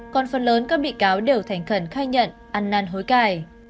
còn phần lớn các bị cáo đều thành khẩn khai nhận ăn năn hối cài